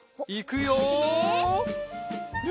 いくよ！